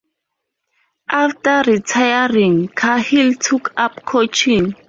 After retiring, Cahill took up coaching.